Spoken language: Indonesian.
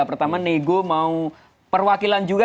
pertama nego mau perwakilan juga